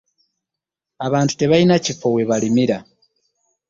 Abantu tebalina kiffo we balimira.